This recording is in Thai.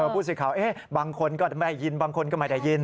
ผู้สิทธิ์ข่าวบางคนก็ไม่ได้ยิน